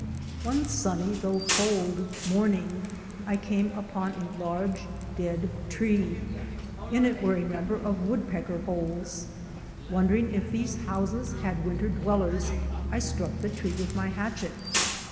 One sunny, though cold, morning I came upon a large dead tree. In it were a number of woodpecker holes. Wondering if these houses had winter dwellers I struck the tree with my hatchet.